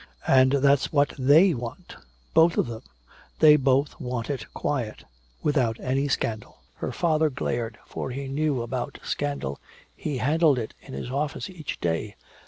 And that's what they want, both of them they both want it quiet, without any scandal." Her father glared, for he knew about scandal, he handled it in his office each day.